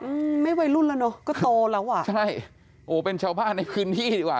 อืมไม่วัยรุ่นแล้วเนอะก็โตแล้วอ่ะใช่โอ้เป็นชาวบ้านในพื้นที่ดีกว่า